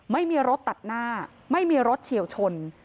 ไม่มีรถตัดหน้าไม่มีรถเฉียวชน